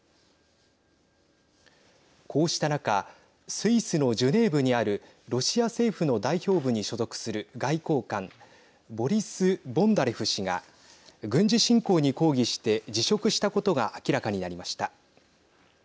こうした中スイスのジュネーブにあるロシア政府の代表部に所属する外交官ボリス・ボンダレフ氏が軍事侵攻に抗議して辞職したことが明らかになりました。